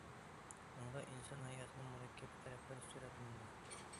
ئۇنىڭدا ئىنسان ھاياتىنىڭ مۇرەككەپ تەرەپلىرى سۈرەتلىنىدۇ.